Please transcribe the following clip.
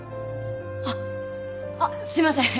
あっあっすいません。